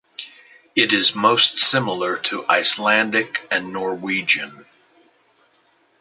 It is most similar to Icelandic and Norwegian.